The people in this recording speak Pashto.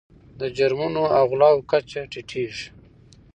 د جرمونو او غلاو کچه ټیټیږي.